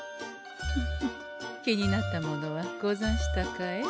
フフッ気になったものはござんしたかえ？